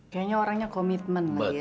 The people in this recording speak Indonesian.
kayaknya orangnya komitmen lah ya